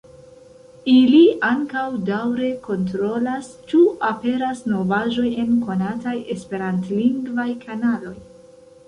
Ili ankaŭ daŭre kontrolas, ĉu aperas novaĵoj en konataj esperantlingvaj kanaloj.